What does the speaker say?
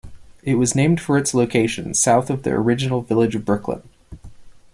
It was named for its location, south of the original Village of Brooklyn.